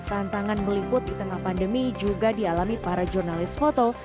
tantangan meliput di tengah pandemi juga dialami para jurnalis foto